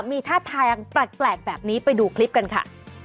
มีท่าทางแปลกแบบนี้ไปดูคลิปกันค่ะ